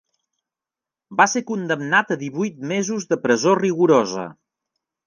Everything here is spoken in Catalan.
Va ser condemnat a divuit mesos de presó rigorosa.